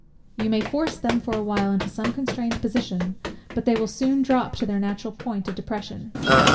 You may force them for a while into some constrained position, but they will soon drop to their natural point of depression.